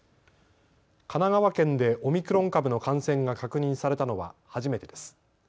神奈川県でオミクロン株の感染が確認されたのは初めてです。